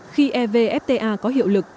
khi evfta có hiệu lực